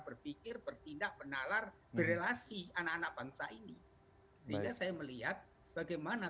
berpikir bertindak menalar berrelasi anak anak bangsa ini sehingga saya melihat bagaimana